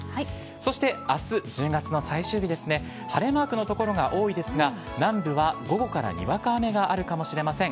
そして、あす、１０月の最終日ですね、晴れマークの所が多いですが、南部は午後からにわか雨があるかもしれません。